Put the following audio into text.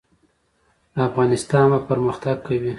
افغانستان به پرمختګ کوي